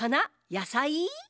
やさい？